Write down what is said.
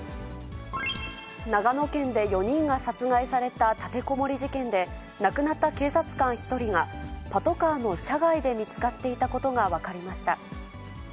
長野県で４人が殺害された立てこもり事件で、亡くなった警察官１人が、パトカーの車外で見つかっていたことが分かりました。